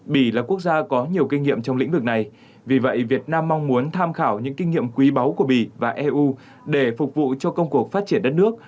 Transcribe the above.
bỉ là quốc gia có nhiều kinh nghiệm trong lĩnh vực này vì vậy việt nam mong muốn tham khảo những kinh nghiệm quý báu của bỉ và eu để phục vụ cho công cuộc phát triển đất nước